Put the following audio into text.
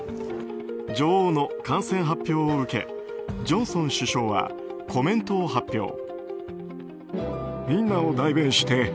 女王の感染発表を受けジョンソン首相はコメントを発表。